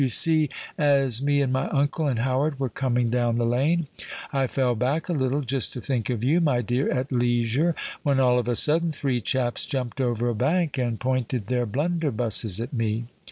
"You see, as me and my uncle and Howard were coming down the lane, I fell back a little—just to think of you, my dear, at leisure; when all of a sudden three chaps jumped over a bank, and pointed their blunderbusses at me.